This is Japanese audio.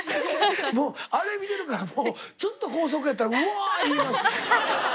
もうあれ見てるからもうちょっと高速やったら「うわ！」言います。